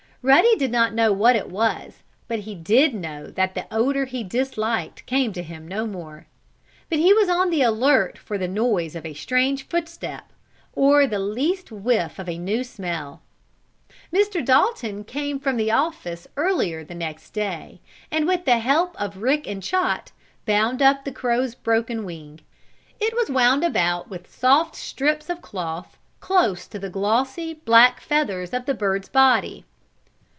Ruddy did not know what it was, but he did know that the odor he disliked came to him no more. But he was on the alert for the noise of a strange footstep, or the least whiff of a new smell. Mr. Dalton came from the office earlier next day, and with the help of Rick and Chot bound up the crow's broken wing. It was wound about with soft strips of cloth close to the glossy, black feathers of the bird's body.